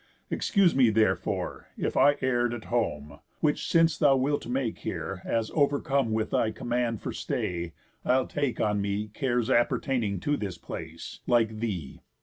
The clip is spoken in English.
Excuse me therefore, if I err'd at home; Which since thou wilt make here, as overcome With thy command for stay, I'll take on me Cares appertaining to this place, like thee.